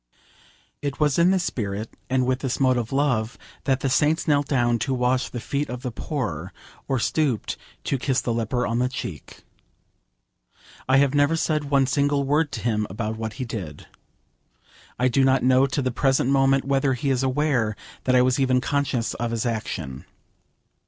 It was in this spirit, and with this mode of love, that the saints knelt down to wash the feet of the poor, or stooped to kiss the leper on the cheek. I have never said one single word to him about what he did. I do not know to the present moment whether he is aware that I was even conscious of his action.